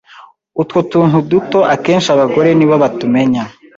Utwo tuntu duto akenshi abagore nibo batumenya